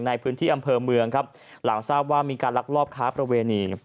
ในพื้นที่อำเภอเมืองครับหลังทราบว่ามีการลักลอบค้าประเวณี